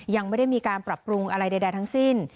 ยังไม่ได้มีการปรับปรุงอะไรใดทั้งสิ้น